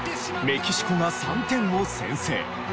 メキシコが３点を先制。